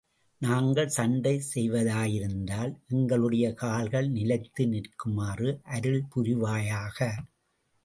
நாங்கள் சண்டை செய்வதாயிருந்தால், எங்களுடைய கால்கள் நிலைத்து நிற்குமாறு அருள் புரிவாயாக.